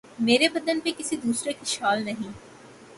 مرے بدن پہ کسی دوسرے کی شال نہیں